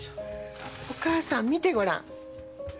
お母さん、見てごらん。